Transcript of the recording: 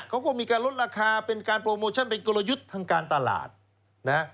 เขาก็มีการลดราคาเป็นการโปรโมชั่นเป็นกลยุทธ์ทางการตลาดนะฮะ